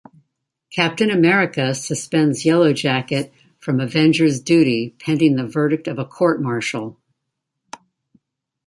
Captain America suspends Yellowjacket from Avengers duty pending the verdict of a court-martial.